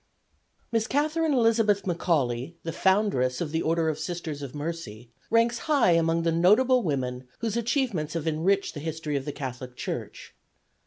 Miss Catherine Elizabeth McAuley, the foundress of the Order of Sisters of Mercy, ranks high among the notable women whose achievements have enriched the history of the Catholic Church.